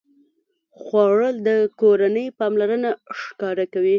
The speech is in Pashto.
خوړل د کورنۍ پاملرنه ښکاره کوي